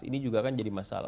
ini juga kan jadi masalah